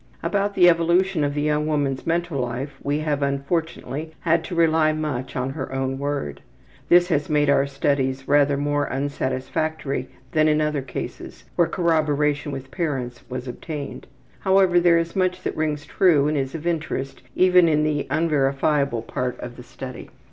About the evolution of the young woman's mental life we have unfortunately had to rely much upon her own word. This has made our studies rather more unsatisfactory than in other cases where corroboration from parents was obtained. However, there is much that rings true and is of interest even in the unverifiable part of the study.